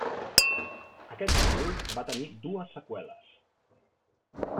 Aquest títol va tenir dues seqüeles.